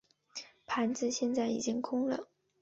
盘子现在已经空了。